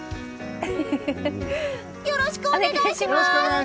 よろしくお願いします！